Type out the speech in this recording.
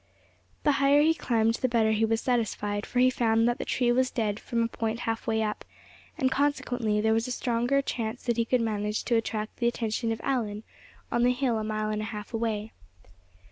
The higher he climbed the better he was satisfied; for he found that the tree was dead from a point half way up, and consequently there was a stronger chance that he could manage to attract the attention of Allan, on the hill a mile and a half away.